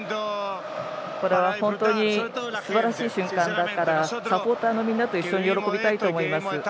これは本当にすばらしい瞬間だからサポーターのみんなと一緒に喜びたいと思います。